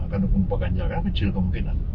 akan dukung pak ganjar ya kecil kemungkinan